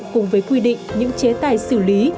cùng với quy định những chế tài xử lý